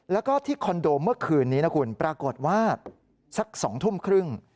แล้วก็ที่คอนโดเมื่อคืนนี้นะคุณปรากฏว่าสัก๒ทุ่มครึ่ง